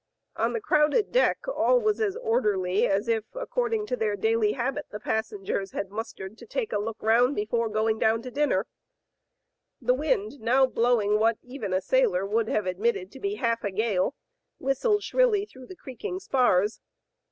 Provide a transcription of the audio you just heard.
On the crowded deck all was as orderly as if, according to their daily habit, the passengers had mustered to take a look round before going down to dinner. The wind, now blowing what even a sailor would have admitted to be half a gale, whistled shrilly through the creaking spars.